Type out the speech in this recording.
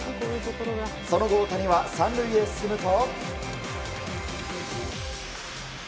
その後、大谷は３塁へ進むと。